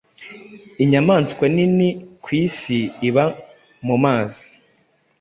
Inyamaswa nini ku isi iba mu mazi.